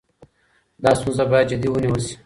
دا ستونزه باید جدي ونیول شي.